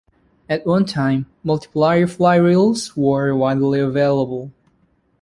At one time, multiplier fly reels were widely available.